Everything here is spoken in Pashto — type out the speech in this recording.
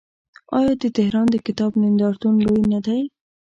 آیا د تهران د کتاب نندارتون لوی نه دی؟